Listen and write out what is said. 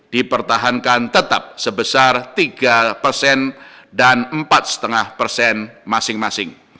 dipertahankan tetap sebesar tiga persen dan empat lima persen masing masing